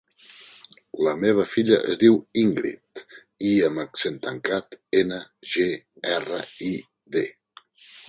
La meva filla es diu Íngrid: i amb accent tancat, ena, ge, erra, i, de.